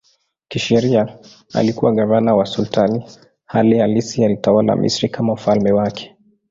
Kisheria alikuwa gavana wa sultani, hali halisi alitawala Misri kama ufalme wake.